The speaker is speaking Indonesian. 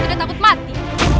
aku tidak takut mati